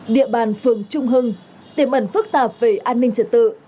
địa bàn phường trung hưng tiềm ẩn phức tạp về an ninh trật tự